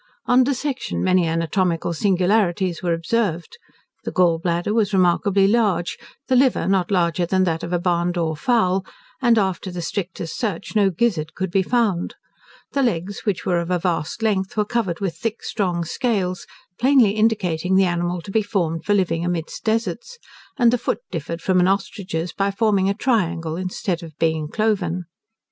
On dissection many anatomical singularities were observed: the gall bladder was remarkably large, the liver not bigger than that of a barn door fowl, and after the strictest search no gizzard could be found; the legs, which were of a vast length, were covered with thick, strong scales, plainly indicating the animal to be formed for living amidst deserts; and the foot differed from an ostrich's by forming a triangle, instead of being cloven.